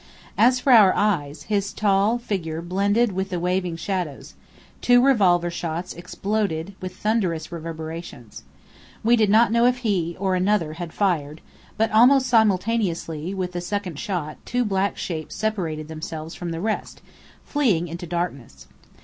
As for our eyes, his tall figure blended with the waving shadows; two revolver shots exploded with thunderous reverberations. We did not know if he, or another, had fired; but almost simultaneously with the second shot two black shapes separated themselves from the rest, fleeing into darkness.